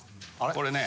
これね。